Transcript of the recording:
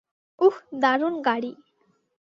উহ, দারুণ গাড়ি।